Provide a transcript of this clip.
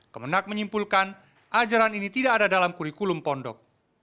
kemenak menyimpulkan ajaran ini tidak ada dalam kurikulum pondok